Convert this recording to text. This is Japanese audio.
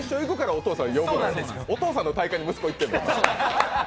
お父さんの大会に息子行ってるの？